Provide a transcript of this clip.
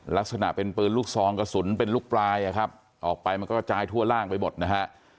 ลักษณะเป็นปืนลูกซองกระสุนเป็นลูกปลายนะครับออกไปมันก็กระจายทั่วร่างไปหมดนะฮะ